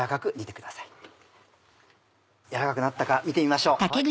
軟らかくなったか見てみましょう。